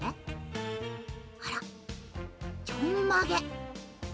あらちょんまげ。